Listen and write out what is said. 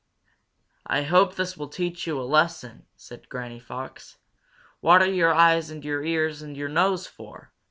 "I hope this will teach you a lesson!" said Granny Fox. "What are your eyes and your ears and your nose for?